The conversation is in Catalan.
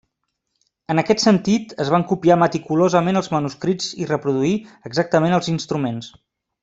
En aquest sentit es van copiar meticulosament els manuscrits i reproduir exactament els instruments.